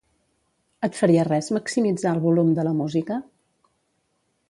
Et faria res maximitzar el volum de la música?